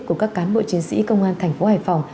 của các cán bộ chiến sĩ công an tp hải phòng